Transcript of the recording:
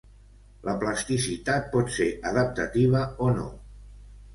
La plasticitat pot ser adaptativa o no.